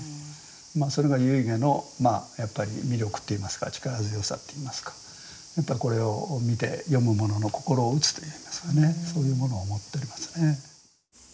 まあそれが遺偈の魅力っていいますか力強さっていいますかまたこれを見て読む者の心を打つといいますかねそういうものを持っておりますね。